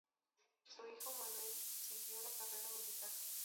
Su hijo Manuel siguió la carrera militar.